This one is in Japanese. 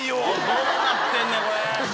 どうなってんねんこれ！